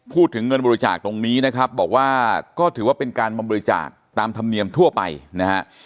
พูดถึงเงินบริจาคตรงนี้นะครับบอกว่าก็ถือว่าเป็นการมาบริจาคตามธรรมเนียมทั่วไปนะฮะ